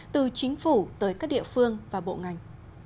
từ chính phủ tới các địa phương và bộ ngành